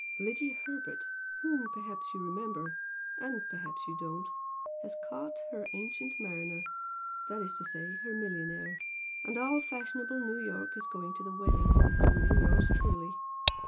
Lydia Herbert, whom perhaps you remember, and perhaps you don't, has caught her 'ancient mariner' that is to say, her millionaire, and all fashionable New York is going to the wedding, including yours truly.